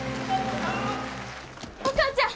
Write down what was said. お母ちゃん！